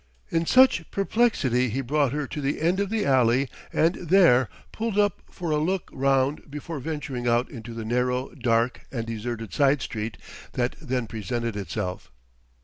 ... In such perplexity he brought her to the end of the alley and there pulled up for a look round before venturing out into the narrow, dark, and deserted side street that then presented itself.